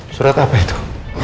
surat apa itu